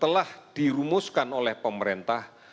telah dirumuskan oleh pemerintah